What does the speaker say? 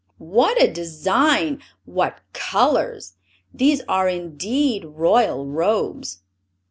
"What a design! What colors! These are indeed royal robes!"